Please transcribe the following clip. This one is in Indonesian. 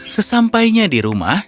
sesampainya di rumah